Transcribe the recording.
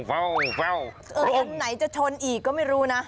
คันไหนจะชนอีกก็ไม่รู้นะ